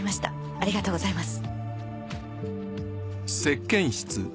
ありがとうございます。